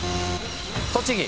栃木。